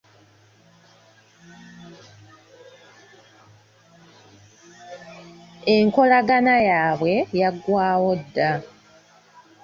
Enkolagana yaabwe yaggwawo dda.